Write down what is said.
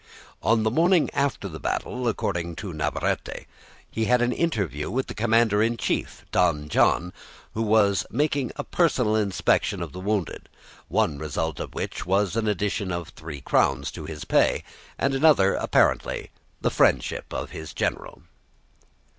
On the morning after the battle, according to Navarrete, he had an interview with the commander in chief, Don John, who was making a personal inspection of the wounded, one result of which was an addition of three crowns to his pay, and another, apparently, the friendship of his general.